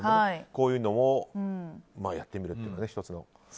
こういうのをやってみるというのも。